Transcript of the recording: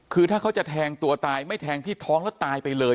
คือถ้าเขาจะแทงตัวตายไม่แทงที่ท้องแล้วตายไปเลย